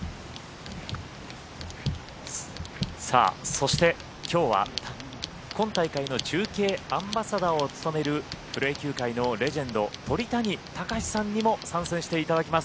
そしてきょうは今大会の中継アンバサダーを務めるプロ野球界のレジェンド鳥谷敬さんにも参戦していただきます。